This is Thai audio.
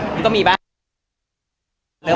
ความคลุกก็จะมีปัญหา